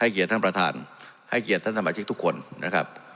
เกียรติท่านประธานให้เกียรติท่านสมาชิกทุกคนนะครับ